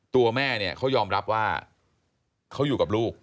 ตัวแม่เนี่ยเขายอมรับว่าเขาอยู่กับลูก